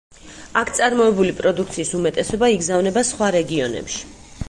აქ წარმოებული პროდუქციის უმეტესობა იგზავნება სხვა რეგიონებში.